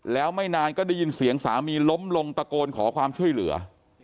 แล้วไม่นานก็ได้ยินเสียงสามีล้มลงตะโกนขอความช่วยเหลือ